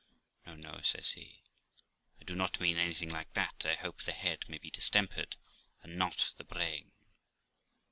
'No, no', says he, 'I do not mean anything like that; I hope the head may be distempered and not the brain.'